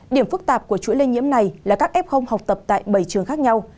điểm phức tạp của chuỗi lây nhiễm này là các f học tập tại bảy trường khác nhau